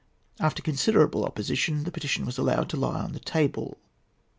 After considerable opposition, the petition was allowed to lie on the table.